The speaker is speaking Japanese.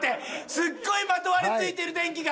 すっごいまとわりついてる電気が。